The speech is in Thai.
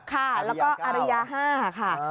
ค่ะแล้วก็อารยา๕ค่ะ